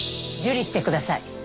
受理してください。